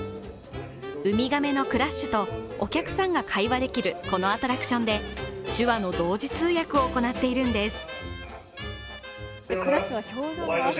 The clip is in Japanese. ウミガメのクラッシュとお客さんが会話できるこのアトラクションで、手話の同時通訳を行っているんです。